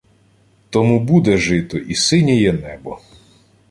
Тому буде жито і синєє небо